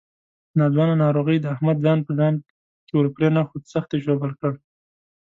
ناځوانه ناروغۍ د احمد ځان په ځان کې ورپرېنښود، سخت یې ژوبل کړ.